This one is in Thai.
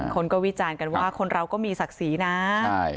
คนก็วิจารณ์กันว่าคนเราก็มีศักดิ์ศรีนะใช่